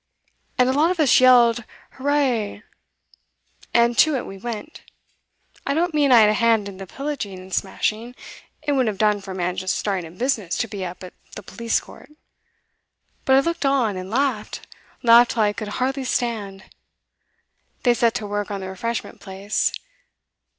And a lot of us yelled hooray, and to it we went. I don't mean I had a hand in the pillaging and smashing, it wouldn't have done for a man just starting in business to be up at the police court, but I looked on and laughed laughed till I could hardly stand! They set to work on the refreshment place.